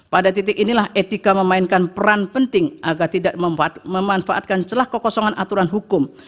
pada titik inilah etika memainkan peran penting agar tidak memanfaatkan celah kekosongan aturan hukum